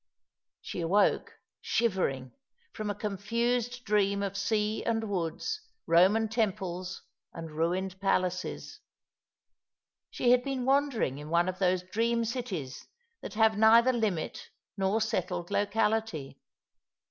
' She awoke, shivering, from a confused dream of sea and' woods, Eoman temples and ruined palaces. She had been' wandering in one of those dream cities that have neither, limit nor settled locality.